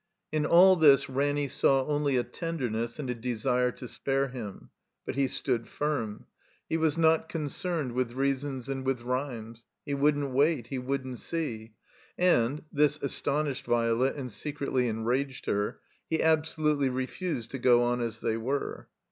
In all this Ranny saw only a tenderness and a desire to spare him. But he stood firm. He was not concerned with reasons and with rimes; he wouldn't wait, he wouldn't see; and (this astonished Violet and secretly enraged her) he absolutely re fused to go on as they were.